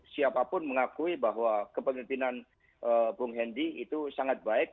siapapun mengakui bahwa kepengertianan bung hendi itu sangat baik